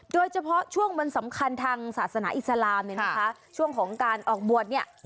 โดยเฉพาะช่วงวันสำคัญทางศาสนาอิสลามเนี่ยนะคะช่วงของการออกบวชเนี่ย